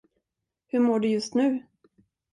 Hur mår du just nu?